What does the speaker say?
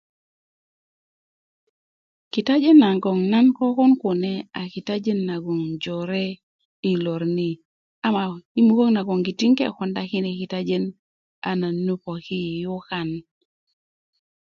kitajin nagon nan kokon kune a kitajin nagon jore i lor ni ama i mukök magon 'n ke konda kine kitajin a nan nu poki i yukan